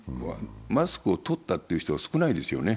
マスクを取ったという人は少ないですよね。